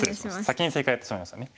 先に正解をやってしまいましたね。